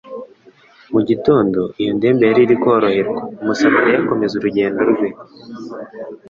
Mu gitondo iyo ndembe yari iri koroherwa, umusamariya akomeza urugendo rwe.